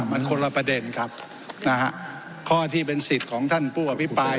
มันคนละประเด็นครับนะฮะข้อที่เป็นสิทธิ์ของท่านผู้อภิปราย